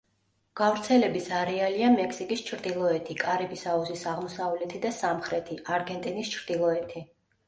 გავრცელების არეალია მექსიკის ჩრდილოეთი, კარიბის აუზის აღმოსავლეთი და სამხრეთი, არგენტინის ჩრდილოეთი.